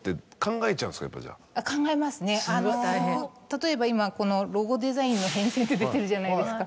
例えば今この「ロゴデザインの変遷」って出てるじゃないですか。